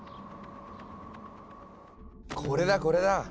これだこれだ！